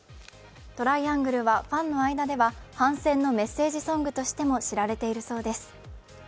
「Ｔｒｉａｎｇｌｅ」はファンの間では反戦のメッセージソングとしても知られているそうです。